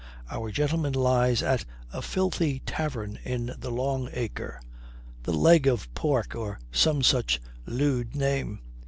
Our gentleman lies at a filthy tavern in the Long Acre. The 'Leg of Pork,' or some such lewd name.